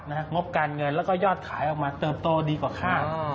งบการเงินแล้วก็ยอดขายออกมาเติบโตดีกว่าค่า